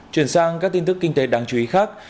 chuyển sang các tin tức kinh tế đáng chú ý khác